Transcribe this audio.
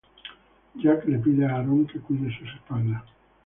Jack le pide a Aaron que cuide sus espaldas.